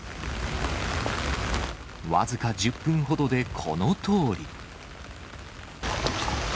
僅か１０分ほどでこのとおり。